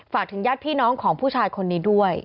ถึงญาติพี่น้องของผู้ชายคนนี้ด้วย